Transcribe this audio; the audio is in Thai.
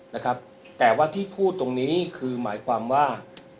นะครับแต่ว่าที่พูดตรงนี้คือหมายความว่า